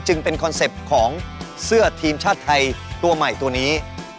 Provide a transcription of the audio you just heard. จึงเป็นคอนเซ็ปต์ของเสื้อทีมชาติไทยตัวใหม่ตัวนี้